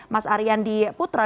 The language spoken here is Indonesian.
mas aryandi putra